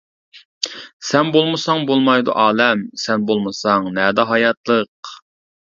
سەن بولمىساڭ بولمايدۇ ئالەم، سەن بولمىساڭ نەدە ھاياتلىق.